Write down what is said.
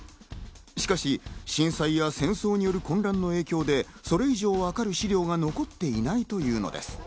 しかし震災や戦争による混乱の影響で、それ以上分かる資料は残っていないというのです。